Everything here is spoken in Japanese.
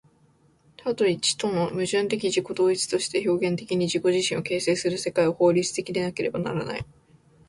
多と一との矛盾的自己同一として表現的に自己自身を形成する世界は、法律的でなければならない。